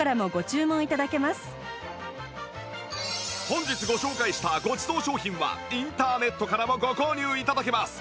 本日ご紹介したごちそう商品はインターネットからもご購入頂けます